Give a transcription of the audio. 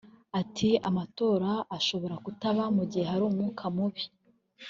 Ati “Amatora ashobora kutaba mu gihe hari umwuka mubi